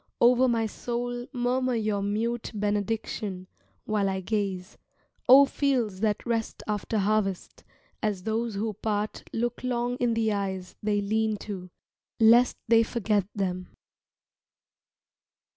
Over my soul murmur your mute benediction While I gaze, oh fields that rest after harvest, As those who part look long in the eyes they lean to, Lest they forget them.